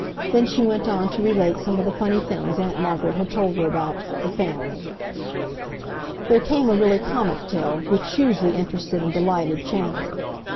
Then she went on to relate some of the funny things Aunt Margaret had told her about "the family." There came a really comic tale, which hugely interested and delighted Chandler.